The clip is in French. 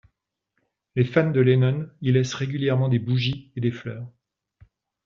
Les fans de Lennon y laissent régulièrement des bougies et des fleurs.